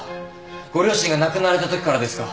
ご両親が亡くなられたときからですか？